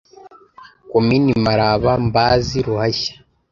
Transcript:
Komini Maraba, Mbazi, Ruhashya,